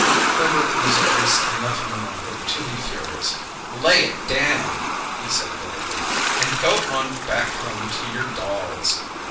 Herbert was at least enough of an author to be furious. "Lay it down!" he said bitterly. "And go on back home to your dolls."